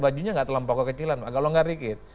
bajunya nggak terlampau kekecilan agak longgar dikit